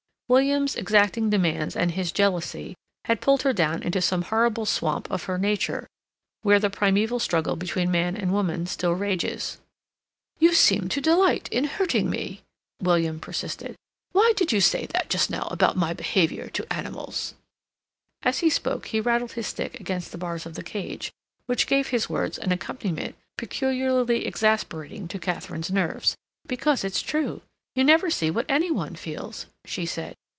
William's exacting demands and his jealousy had pulled her down into some horrible swamp of her nature where the primeval struggle between man and woman still rages. "You seem to delight in hurting me," William persisted. "Why did you say that just now about my behavior to animals?" As he spoke he rattled his stick against the bars of the cage, which gave his words an accompaniment peculiarly exasperating to Katharine's nerves. "Because it's true. You never see what any one feels," she said.